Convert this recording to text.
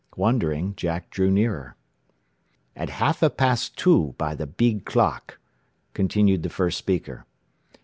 Wondering, Jack drew nearer. "At halfa da past two by da beeg clock," continued the first speaker.